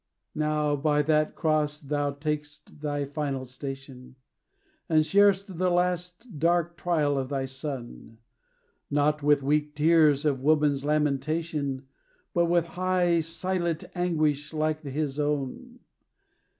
Now by that cross thou tak'st thy final station, And shar'st the last dark trial of thy Son; Not with weak tears or woman's lamentation, But with high, silent anguish, like his own.